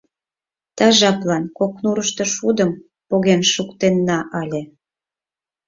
Ты жаплан кок нурышто шудым поген шуктенна ыле.